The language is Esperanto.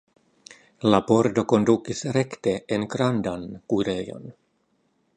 La pordo kondukis rekte en grandan kuirejon.